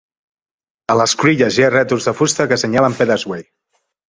A les cruïlles hi ha rètols de fusta que senyalen "Peddars Way".